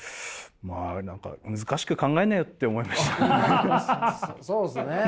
まあ何か難しく考えんなよって思いました。